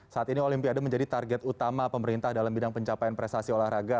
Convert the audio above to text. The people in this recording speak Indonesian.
saat ini olimpiade menjadi target utama pemerintah dalam bidang pencapaian prestasi olahraga